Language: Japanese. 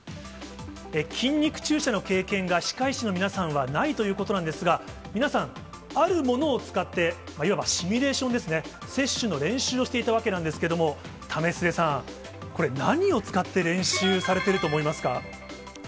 筋肉注射の経験が歯科医師の皆さんはないということなんですが、皆さん、あるものを使っていわばシミュレーションですね、接種の練習をしていたわけなんですけれども、為末さん、これ、何を使って練習されてると思いますか。